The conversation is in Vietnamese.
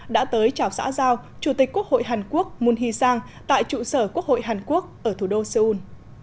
đã tới chào xã giao chủ tịch quốc hội hàn quốc moon hee sang tại trụ sở quốc hội hàn quốc ở thủ đô seoul